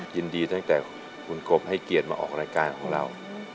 ยินดีตั้งแต่คุณกบให้เกียรติมาออกรายการของเรา